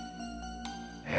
え！